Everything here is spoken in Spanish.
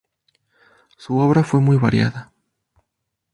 Su obra fue muy variada.